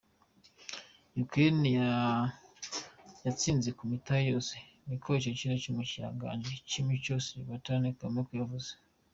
"Ukraine yatsinze ku mitahe yose," niko icegera c'umushikiranganji w'imico Svitlana Fomenko yavuze.